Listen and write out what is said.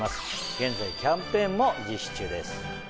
現在キャンペーンも実施中です。